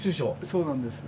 そうなんです。